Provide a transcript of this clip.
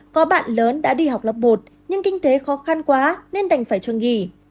có bạn lớn đã đi học lớp một nhưng kinh tế khó khăn quá nên đành phải trường nghỉ